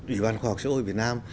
ủy ban khoa học xã hội việt nam